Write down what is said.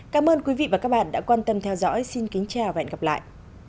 cảm ơn các bạn đã theo dõi và hẹn gặp lại